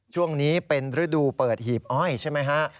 ช่วงนี้เป็นฤดูเปิดหีบอ้อยใช่ไหมฮะ